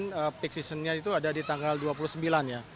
dan peak seasonnya itu ada di tanggal dua puluh sembilan ya